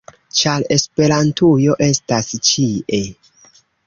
- ĉar Esperantujo estas ĉie!